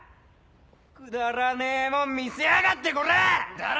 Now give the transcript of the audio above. くだらねえもん見せやがってこら！